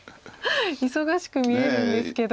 忙しく見えるんですけど。